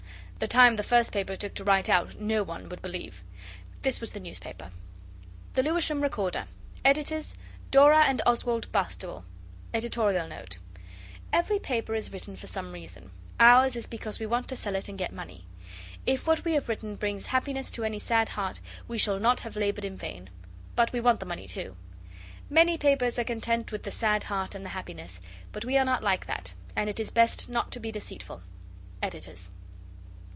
The time the first paper took to write out no one would believe! This was the Newspaper: THE LEWISHAM RECORDER EDITORS: DORA AND OSWALD BASTABLE EDITORIAL NOTE Every paper is written for some reason. Ours is because we want to sell it and get money. If what we have written brings happiness to any sad heart we shall not have laboured in vain. But we want the money too. Many papers are content with the sad heart and the happiness, but we are not like that, and it is best not to be deceitful. EDITORS.